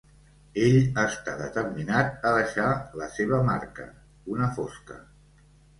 Ell està determinat a deixar la seva marca, una fosca.